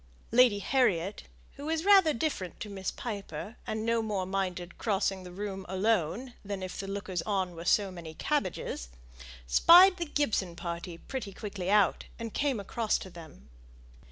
Lady Harriet, who was rather different to Miss Piper, and no more minded crossing the room alone than if the lookers on were so many cabbages, spied the Gibson party pretty quickly out, and came across to them.